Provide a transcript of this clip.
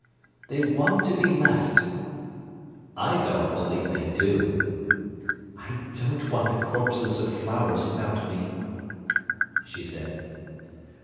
"They want to be left." "I don't believe they do." "I don't want the corpses of flowers about me," she said.